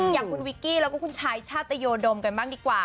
อย่างคุณวิกกี้แล้วก็คุณชายชาตโยดมกันบ้างดีกว่า